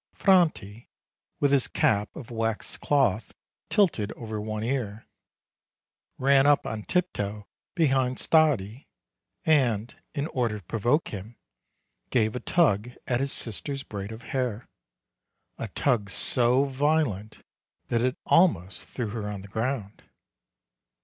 Franti, with his cap of waxed cloth tilted over one ear, ran up on tiptoe behind Stardi, and, in order to provoke him, gave a tug at his sister's braid of hair, a tug so violent that it almost threw her on the ground.